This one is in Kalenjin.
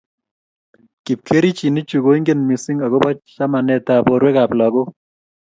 kipkerichenichu ko ingen mising akobo chamanetab borwekab lagok.